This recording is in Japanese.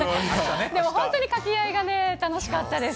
でも本当に掛け合いが楽しかったです。